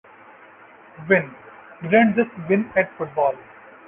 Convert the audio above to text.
"Win" didn't just win at football.